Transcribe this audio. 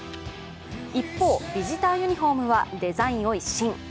一方、ビジターユニフォームはデザインを一新。